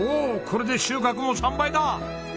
これで収穫も３倍だ！